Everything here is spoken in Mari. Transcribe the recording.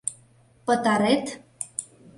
Пытарет?